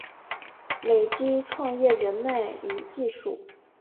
累积创业人脉与技术